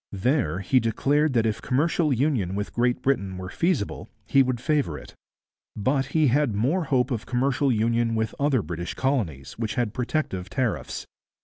There he declared that if commercial union with Great Britain were feasible, he would favour it. But he had more hope of commercial union with other British colonies, which had protective tariffs.